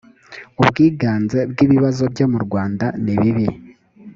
ubwiganze bw ibibazo byo murwanda nibibi